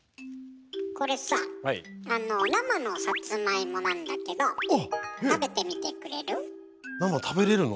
これさあの生のサツマイモなんだけど食べてみてくれる？